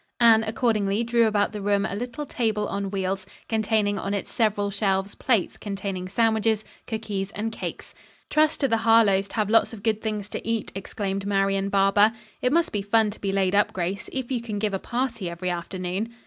Anne accordingly drew about the room a little table on wheels, containing on its several shelves plates containing sandwiches, cookies and cakes. "Trust to the Harlowe's to have lots of good things to eat," exclaimed Marian Barber. "It must be fun to be laid up, Grace, if you can give a party every afternoon."